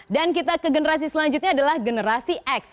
dan kita ke generasi selanjutnya adalah generasi x